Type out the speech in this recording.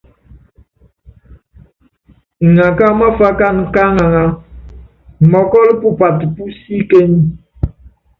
Iŋaká máfákan ká aŋaŋá mɔkɔ́l pupat pú síkeny.